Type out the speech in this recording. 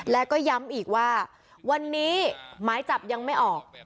แล้วก็ย้ำอีกว่าวันนี้หมายจับยังไม่ออก